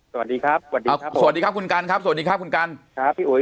สวัสดีครับสวัสดีครับสวัสดีครับคุณกันครับสวัสดีครับคุณกันครับพี่อุ๋ย